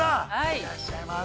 いらっしゃいませ。